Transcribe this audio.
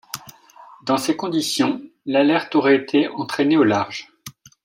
Dans ces conditions, l’Alert aurait été entraîné au large.